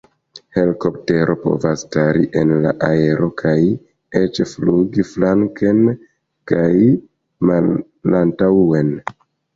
Helikoptero povas stari en la aero kaj eĉ flugi flanken kaj malantaŭen.